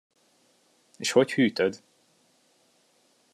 És hogy hűtöd?